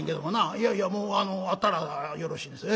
「いやいやもうあったらよろしいです。